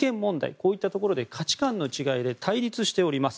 こういったところで価値観の違いで対立しております。